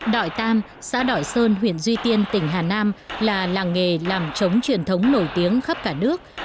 đội tam xã đội sơn huyện duy tiên tỉnh hà nam là làng nghề làm trống truyền thống nổi tiếng khắp cả nước